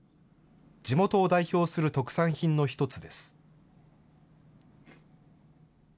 地元を代表する特産品の１つです。